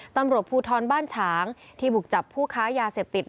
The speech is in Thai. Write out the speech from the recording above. ตำรวจภูทรบ้านฉางที่บุกจับผู้ค้ายาเสพติด